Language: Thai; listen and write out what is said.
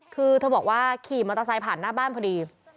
คือเธอบอกว่าขี่มอเตอร์ไซค์ผ่านหน้าบ้านพอดี